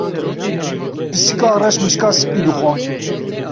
Pisîka reş mişka spî dixwar.